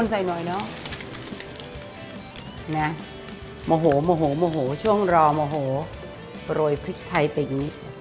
ชอบจริงพริกไทย